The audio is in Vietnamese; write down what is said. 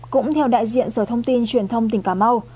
cũng theo đại diện sở thông tin truyền thông tỉnh cà mau